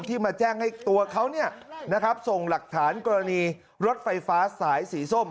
มาแจ้งให้ตัวเขาส่งหลักฐานกรณีรถไฟฟ้าสายสีส้ม